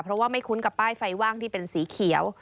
เพราะว่าไม่คุ้นกับป้ายไฟว่างที่เป็นสีเขียว